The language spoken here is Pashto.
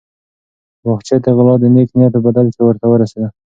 باغچه د غلام د نېک نیت په بدل کې ورته ورسېده.